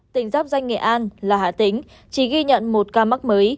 tỉnh giáp danh nghệ an là hà tĩnh chỉ ghi nhận một ca mắc